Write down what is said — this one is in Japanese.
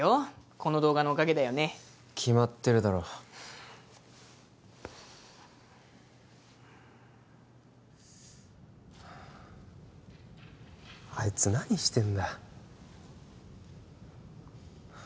この動画のおかげだよね決まってるだろあいつ何してんだ